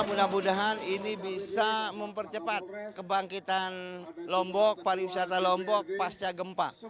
mudah mudahan ini bisa mempercepat kebangkitan lombok pariwisata lombok pasca gempa